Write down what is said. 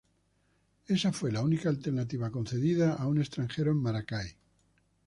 Esa fue la única alternativa concedida a un extranjero en Maracay.